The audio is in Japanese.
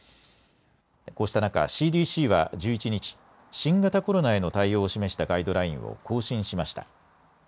こうした中、ＣＤＣは１１日新型コロナへの対応を示したガイドラインを更新しました。